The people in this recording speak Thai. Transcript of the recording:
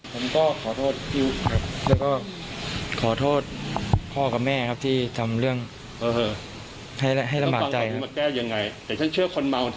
ผมก็ขอโทษครับและก็ขอโทษพ่อกับแม่ครับที่ทำเรื่องให้ระบาดใจนะ